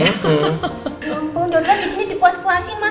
ya ampun janganlah di sini dipuaskan mas